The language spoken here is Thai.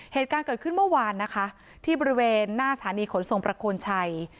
เหตุการณ์เกิดขึ้นเมื่อวานนะคะที่บริเวณหน้าสถานีขนส่งประโคนชัย